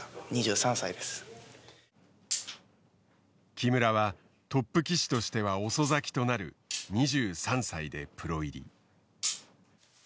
木村はトップ棋士としては遅咲きとなる２３歳でプロ入り。